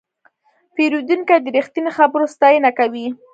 پیرودونکی د رښتیني خبرو ستاینه کوي.